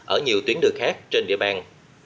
ở nhiều tuyến đường khác trên địa bàn